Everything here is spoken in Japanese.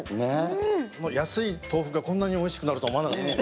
安い豆腐がこんなおいしくなるとは思わなかったね。